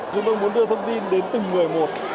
chúng tôi muốn đưa thông tin đến từng người một